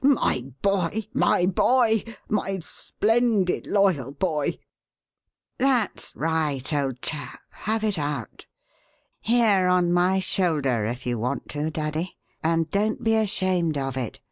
My boy! my boy! my splendid, loyal boy!" "That's right, old chap, have it out. Here on my shoulder, if you want to, daddy, and don't be ashamed of it!"